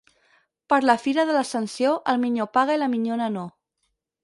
Per la fira de l'Ascensió, el minyó paga i la minyona no.